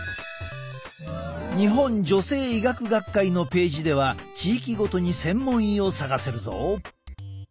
日本女性医学学会のページでは地域ごとに専門医を探せるぞ。